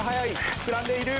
膨らんでいる。